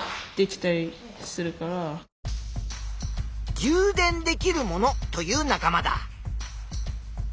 「じゅう電できるもの」という仲間だ。